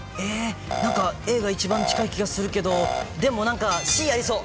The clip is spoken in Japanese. Ａが一番近い気がするけどでもＣ、ありそう！